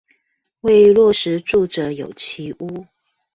為落實住者有其屋